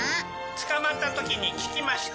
捕まった時に聞きました。